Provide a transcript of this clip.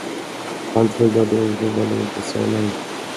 Han tvekade och vågade inte säga nej.